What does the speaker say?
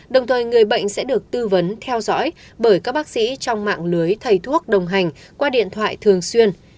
đồng thời người bệnh sẽ được tư vấn theo dõi bởi các bác sĩ trong mạng lưới thầy thuốc đồng hành qua điện thoại thường xuyên